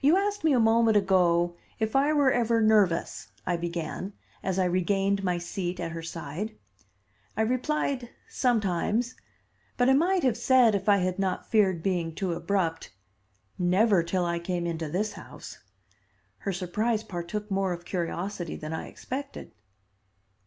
"You asked me a moment ago if I were ever nervous," I began, as I regained my seat at her side. "I replied, 'Sometimes'; but I might have said if I had not feared being too abrupt, 'Never till I came into this house.'" Her surprise partook more of curiosity than I expected.